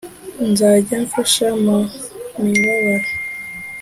Nzajya mbafasha mu mibabaro